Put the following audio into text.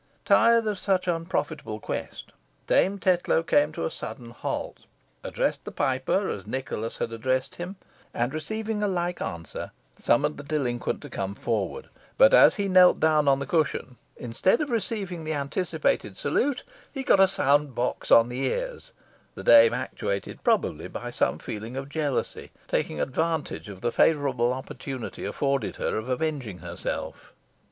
Tired of such an unprofitable quest, Dame Tetlow came to a sudden halt, addressed the piper as Nicholas had addressed him, and receiving a like answer, summoned the delinquent to come forward; but as he knelt down on the cushion, instead of receiving the anticipated salute, he got a sound box on the ears, the dame, actuated probably by some feeling of jealousy, taking advantage of the favourable opportunity afforded her of avenging herself.